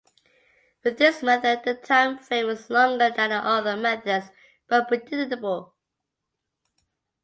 With this method the time frame is longer than the other methods but predictable.